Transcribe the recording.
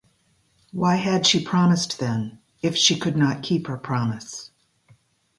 Why had she promised, then, if she could not keep her promise?